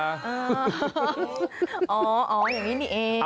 อ๋ออ๋ออย่างนี้นี่เอง